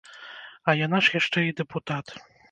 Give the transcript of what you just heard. А яна ж яшчэ і дэпутат.